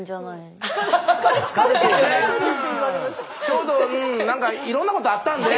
ちょうどうん何かいろんなことあったんで。